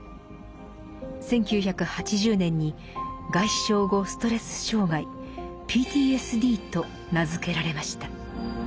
１９８０年に「外傷後ストレス障害」「ＰＴＳＤ」と名付けられました。